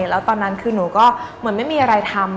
แล้วตอนนั้นคือหนูก็เหมือนไม่มีอะไรทำ